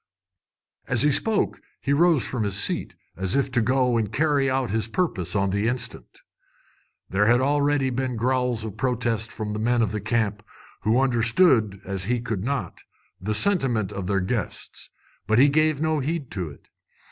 As he spoke he rose from his seat, as if to go and carry out his purpose on the instant. There had been already growls of protest from the men of the camp, who understood, as he could not, the sentiment of their guests; but he gave no heed to it.